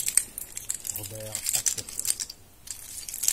Robert accepte.